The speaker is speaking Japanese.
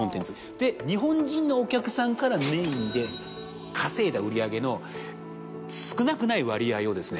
で日本人のお客さんからメインで稼いだ売り上げの少なくない割合をですね